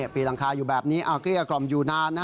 ปีหลังคาอยู่แบบนี้เกลี้ยกล่อมอยู่นาน